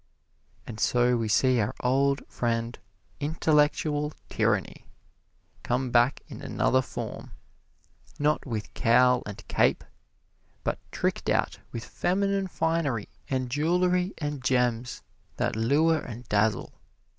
And so we see our old friend Intellectual Tyranny come back in another form, not with cowl and cape, but tricked out with feminine finery and jewelry and gems that lure and dazzle.